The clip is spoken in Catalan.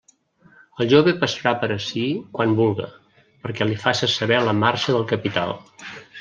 El jove passarà per ací quan vulga, perquè li faça saber la marxa del capital.